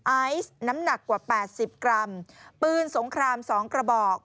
ไอซ์น้ำหนักกว่า๘๐กรัมปืนสงคราม๒กระบอก